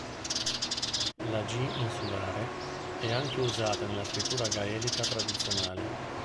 La g insulare è anche usata nella scrittura gaelica tradizionale.